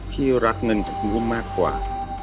พี่รักเงินของคุณอุ้มมากกว่า